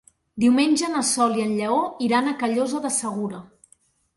Diumenge na Sol i en Lleó iran a Callosa de Segura.